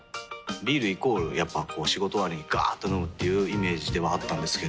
ビールイコールやっぱこう仕事終わりにガーっと飲むっていうイメージではあったんですけど。